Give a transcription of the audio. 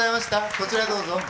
こちらどうぞ。